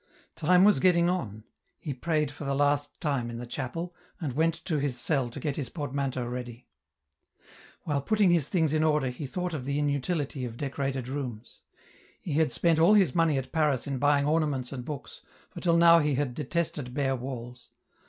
Time was getting on ; he prayed for the last time in the chapel, and went to his cell to get his portmanteau ready. While putting his things in order he thought of the inutility of decorated rooms. He had spent all his money at Paris in buying ornaments and books, for till now he had detested bare walls.